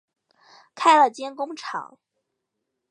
开了间工厂